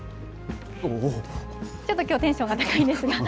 ちょっときょう、テンションが高いんですが。